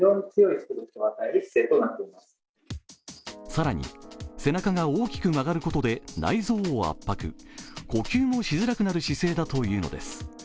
更に、背中が大きく曲がることで内臓を圧迫、呼吸もしづらくなる姿勢だというのです。